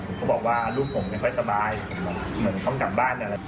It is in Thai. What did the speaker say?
ผมก็บอกว่าลูกผมไม่ค่อยสบายเหมือนต้องกลับบ้านนั่นแหละ